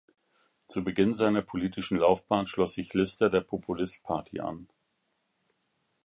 Zu Beginn seiner politischen Laufbahn schloss sich Lister der Populist Party an.